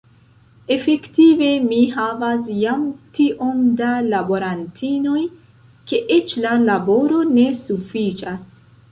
Efektive mi havas jam tiom da laborantinoj, ke eĉ la laboro ne sufiĉas.